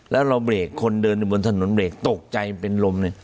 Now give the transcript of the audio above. แล้วเราเบรกคนเดินอยู่บนถนนเบรกตกใจเป็นลมเลย